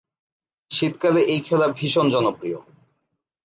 শীতকালে এই খেলা ভীষণ জনপ্রীয়।